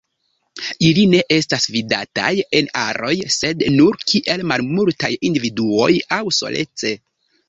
Ili ne estas vidataj en aroj, sed nur kiel malmultaj individuoj aŭ solece.